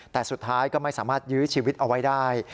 แต่สุดท้ายก็ไม่สามารถยื้อชีวิตเอาไว้ได้